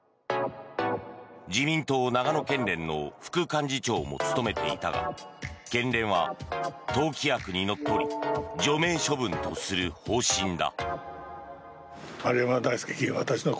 自民党長野県連の副幹事長も務めていたが県連は党規約にのっとり除名処分とする方針だ。